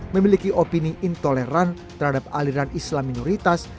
memiliki opini intoleran terhadap aliran islam minoritas